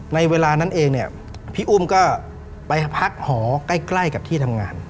ในเวลานั้นเองเนี่ยพี่อุ้มก็ไปพักหอใกล้กับที่ทำงาน